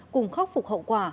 cùng khắc phục hậu quả